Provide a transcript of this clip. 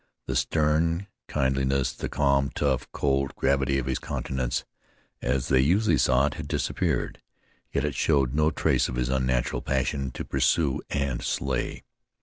The stern kindliness, the calm, though cold, gravity of his countenance, as they usually saw it, had disappeared. Yet it showed no trace of his unnatural passion to pursue and slay.